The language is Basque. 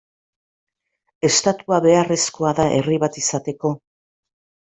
Estatua beharrezkoa da herri bat izateko?